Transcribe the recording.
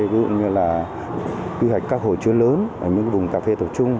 ví dụ như là quy hoạch các hồ chứa lớn ở những vùng cà phê tổ chung